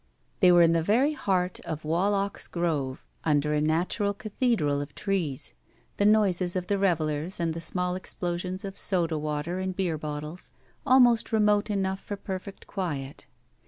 They were in the very heart of Wallach's Grove, under a natural cathedral of trees, the noises of the revelers and the small explosions of soda water and beer bottles almost remote enough for perfect qtiiet.